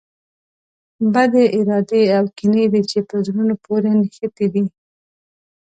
بدې ارادې او کینې دي چې په زړونو پورې نښتي دي.